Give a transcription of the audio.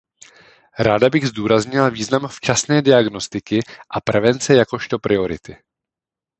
Ráda bych zdůraznila význam včasné diagnostiky a prevence jakožto priority.